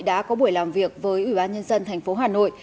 đã có buổi làm việc với ủy ban nhân dân tp hà nội